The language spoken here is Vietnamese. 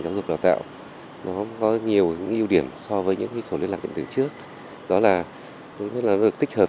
giáo dục đào tạo nó có nhiều những ưu điểm so với những cái số liên lạc điện tử trước đó là tích hợp